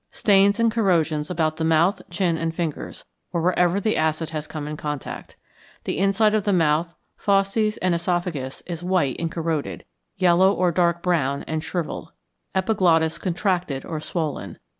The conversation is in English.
_ Stains and corrosions about the mouth, chin, and fingers, or wherever the acid has come in contact. The inside of the mouth, fauces, and oesophagus, is white and corroded, yellow or dark brown, and shrivelled. Epiglottis contracted or swollen.